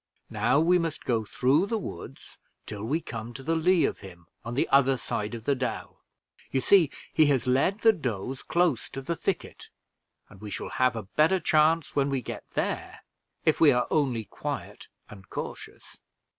Now we must go through the woods till we come to the lee of him on the other side of the dell. You see he has led the does close to the thicket, and we shall have a better chance when we get there, if we are only quiet and cautious."